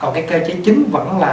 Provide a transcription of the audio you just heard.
còn cái cơ chế chính vẫn là